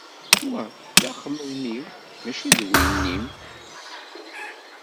Wa d axemmem-iw mačči d win-im.